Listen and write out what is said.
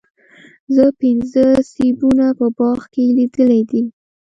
زه پنځه سیبونه په باغ کې لیدلي دي.